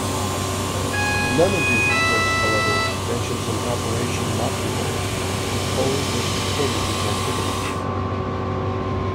None of these reports, however, mentions an Operation Mockingbird controlling or supporting these activities.